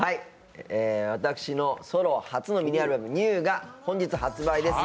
私のソロ初のミニアルバム「ＮＥＷＷＷ」が本日発売です。